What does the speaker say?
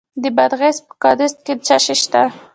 د بادغیس په قادس کې څه شی شته؟